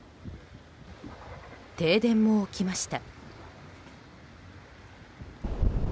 停電も起きました。